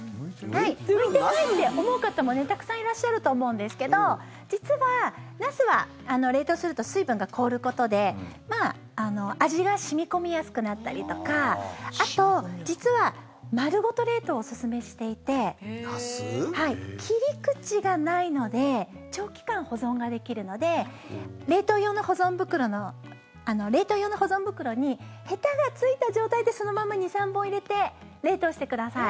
向いてないって思う方もたくさんいらっしゃると思うんですけど、実はナスは冷凍すると水分が凍ることで味が染み込みやすくなったりとかあと、実は丸ごと冷凍をおすすめしていて切り口がないので長期間保存ができるので冷凍用の保存袋にヘタがついた状態でそのまま２３本入れて冷凍してください。